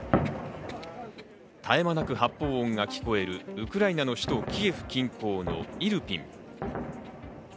絶え間なく発砲音が聞こえるウクライナの首都キエフ近郊のイルピン。